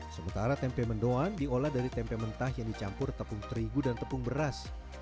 sementara tempe mendoan diolah dari tempe mentah yang dicampur tepung terigu dan tepung beras